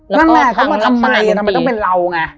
นั่นแหละเขามาทำไมทำไมต้องเป็นเราไง